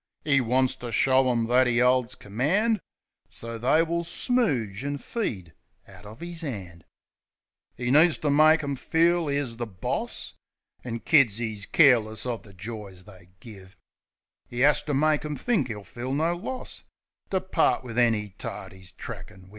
'E wants to show 'em that 'e 'olds command, So they will smooge an' feed out of 'is 'and. i8 THE SENTIMENTAL BLOKE 'E needs to make 'em feel 'e is the boss, An' kid Vs careless uv the joys they give. 'E 'as to make 'em think 'e'll feel no loss To part wiv any tart 'e's trackin' wiv.